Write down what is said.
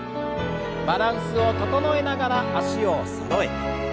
バランスを整えながら脚をそろえて。